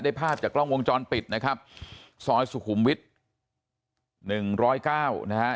ภาพจากกล้องวงจรปิดนะครับซอยสุขุมวิทย์๑๐๙นะฮะ